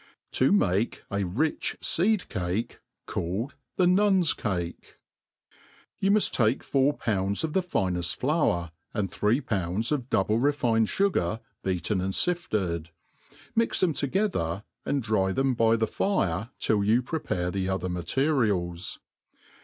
Tjq m«h a rich Seed Cah calbd the Nnm Cah* '' You muft t^ke four pounds of t^e fineft flour, and three pounds of double refined fugar beaten and fified ; mix them together, and dry them by the fire .till yo,u prepare the other materials.